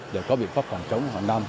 để có biện pháp phòng chống hoặc nằm